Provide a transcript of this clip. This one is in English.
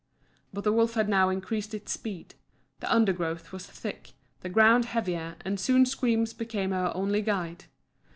But the wolf had now increased its speed; the undergrowth was thick, the ground heavier, and soon screams became her only guide.